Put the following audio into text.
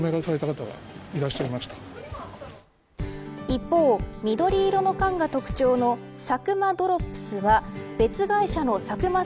一方、緑色の缶が特徴のサクマドロップスは別会社のサクマ